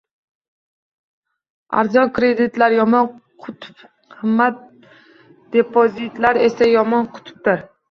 Arzon kreditlar yomon qutb, qimmat depozitlar esa yomon qutbdir